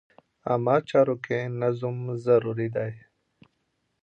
عامه چارو کې نظم ضروري دی.